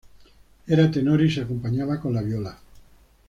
Era tenor y se acompañaba con la viola.